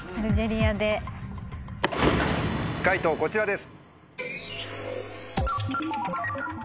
解答こちらです！